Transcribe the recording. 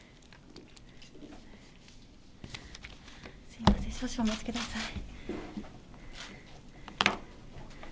すみません、少々お待ちください。